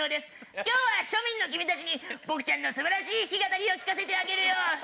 今日は庶民の君たちに僕ちゃんの素晴らしい弾き語りを聴かせてあげるよ。